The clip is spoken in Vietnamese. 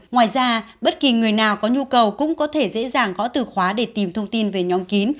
ngoài ra bất kỳ người nào có nhu cầu cũng có thể dễ dàng gõ từ khóa để tìm thông tin về nhóm kín